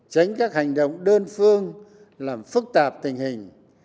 tránh các hành động đơn phương làm phức tạp tình hình